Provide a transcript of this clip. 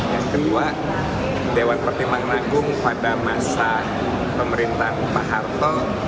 yang kedua dewan pertimbangan agung pada masa pemerintahan pak harto